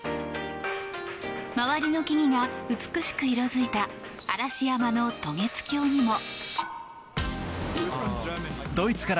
周りの木々が美しく色づいた嵐山の渡月橋にも。